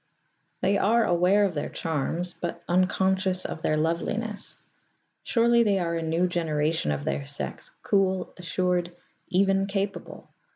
They are aware of their charms, but unconscious of their loveliness. Surely they are a new generation of their sex, cool, assured, even capable.